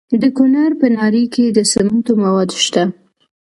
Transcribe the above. د کونړ په ناړۍ کې د سمنټو مواد شته.